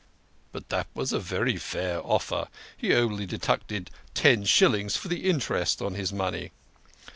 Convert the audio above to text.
"But it was a very fair offer. He only deducted ten shillings for the interest on his money."